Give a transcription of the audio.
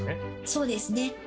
そうですね。